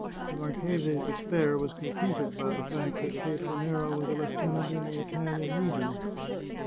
The mar chese's despair was completed by the fact that Pietranera was a lieutenant in the Italian Legion.